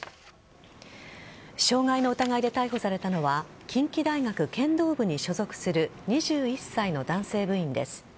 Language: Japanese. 傷害の疑いで逮捕されたのは近畿大学剣道部に所属する２１歳の男性部員です。